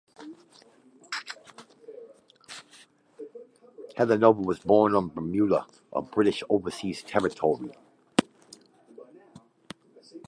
Heather Nova was born on Bermuda, a British overseas territory.